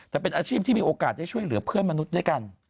แต่เป็นอาชีพที่มีโอกาสได้ช่วยเหลือเพื่อนมนุษย์ด้วยกัน